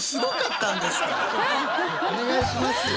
お願いしますよ。